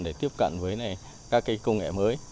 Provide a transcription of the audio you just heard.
để tiếp cận với các công nghệ mới